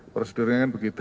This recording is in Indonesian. prosedurnya kan begitu